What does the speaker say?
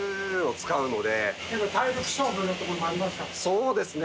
そうですね。